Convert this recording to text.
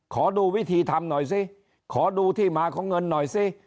ขอดูวิธีทำหน่อยสิขอดูที่มาของเงินหน่อยสิ